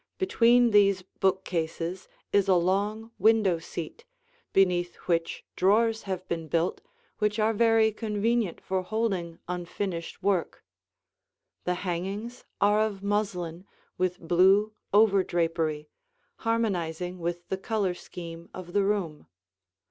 Between these bookcases is a long window seat, beneath which drawers have been built which are very convenient for holding unfinished work. The hangings are of muslin with blue over drapery, harmonizing with the color scheme of the room.